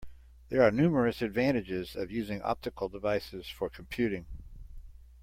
There are numerous advantages of using optical devices for computing.